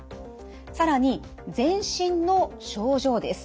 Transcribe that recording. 更に全身の症状です。